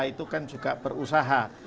itu kan juga berusaha